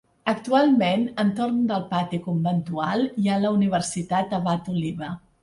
Actualment, entorn del pati conventual, hi ha la Universitat Abat Oliva.